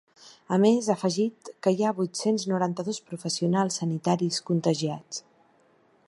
A més, ha afegit que hi ha vuit-cents noranta-dos professionals sanitaris contagiats.